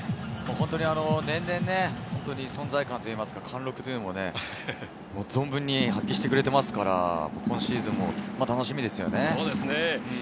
年々、存在感といいますか、貫禄も存分に発揮してくれていますから、今シーズンも楽しみですよね。